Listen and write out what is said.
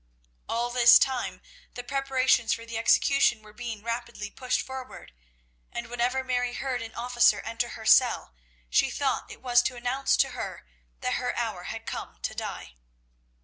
All this time the preparations for the execution were being rapidly pushed forward, and whenever Mary heard an officer enter her cell, she thought it was to announce to her that her hour had come to die.